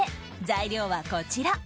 材料はこちら。